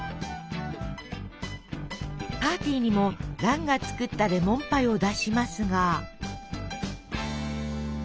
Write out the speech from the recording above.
パーティーにも蘭が作ったレモンパイを出しますが。